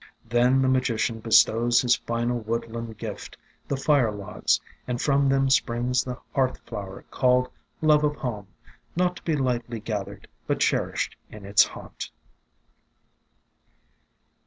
Then the Magician bestows his final woodland gift — the fire logs — and from them springs the hearth flower called Love of Home, not to be lightly gathered, but cherished in its haunt.